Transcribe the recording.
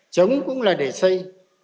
chống cũng là để xây